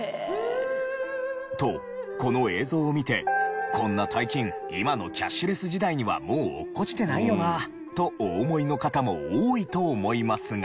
とこの映像を見てこんな大金今のキャッシュレス時代にはもう落っこちてないよなとお思いの方も多いと思いますが。